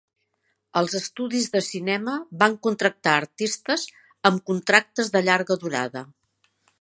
Els estudis de cinema van contractar artistes amb contractes de llarga durada.